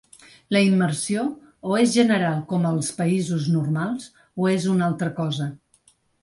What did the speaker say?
La immersió, o és general com als països normals, o és una altra cosa.